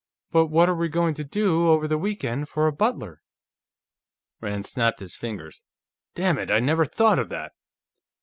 "But what're we going to do, over the week end, for a butler...." Rand snapped his fingers. "Dammit, I never thought of that!"